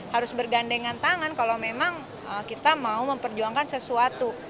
harus bergandengan tangan kalau memang kita mau memperjuangkan sesuatu